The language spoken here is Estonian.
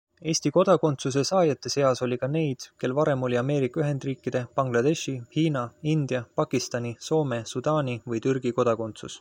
Eesti kodakondsuse saajate seas oli ka neid, kel varem oli Ameerika Ühendriikide, Bangladeshi, Hiina, India, Pakistani, Soome, Sudaani või Türgi kodakondsus.